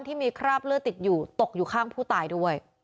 ที่มีคราบเลือดติดอยู่ตกอยู่ข้างผู้ตายด้วย